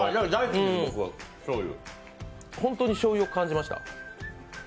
本当にしょうゆを感じました？